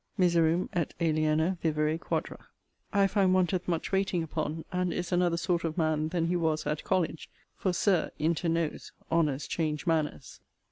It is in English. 'Miserum et aliena vivere quadra,') I find wanteth much waiting upon, and is 'another' sort of man than he was at college: for, Sir, 'inter nos,' 'honours change manners.'